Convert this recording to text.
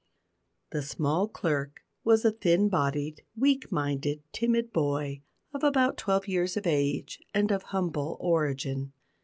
The small clerk was a thin bodied, weak minded, timid boy, of about twelve years of age and of humble origin.